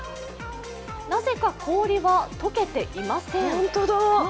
なぜか氷は溶けていません。